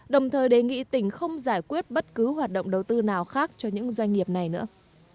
đồng thời đề nghị tỉnh không giải quyết bất cứ hoạt động đầu tư nào khác cho những doanh nghiệp này nữa